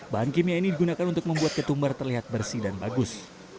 bahan kimia ini digunakan untuk membuat ketumbar terlihat bersih dan bagus